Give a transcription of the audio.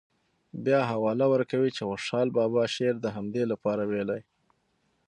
بیا حواله ورکوي چې خوشحال بابا شعر د همدې لپاره ویلی.